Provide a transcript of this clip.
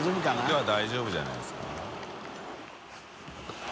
きょうは大丈夫じゃないですか？